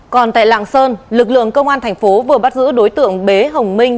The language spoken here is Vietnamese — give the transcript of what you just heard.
còn tại lạng sơn lực lượng công an thành phố vừa bắt giữ đối tượng bế hồng minh